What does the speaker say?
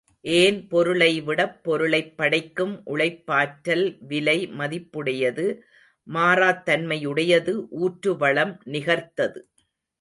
ஏன் பொருளைவிடப் பொருளைப் படைக்கும் உழைப்பாற்றல் விலை மதிப்புடையது மாறாத் தன்மையுடையது ஊற்று வளம் நிகர்த்தது.